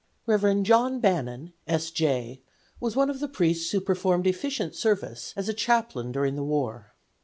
Rev. John Bannon, S. J., was one of the priests who performed efficient service as a chaplain during the war.